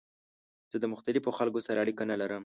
زه د مختلفو خلکو سره اړیکه نه لرم.